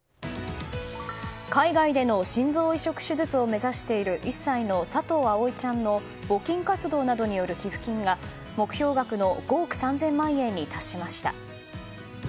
海外での心臓移植手術を目指している１歳の佐藤葵ちゃんの募金活動などによる寄付金が目標額の５億３０００万円に達しました。